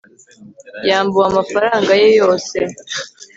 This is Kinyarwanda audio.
yambuwe amafaranga ye yose